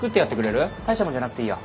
大したもんじゃなくていいよ。